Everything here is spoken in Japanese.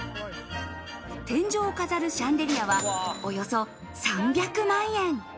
天井を飾るシャンデリアはおよそ３００万円。